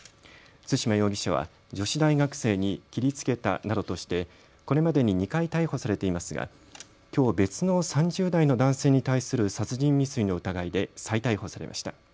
對馬容疑者は女子大学生に切りつけたなどとしてこれまでに２回逮捕されていますが、きょう別の３０代の男性に対する殺人未遂の疑いで再逮捕されました。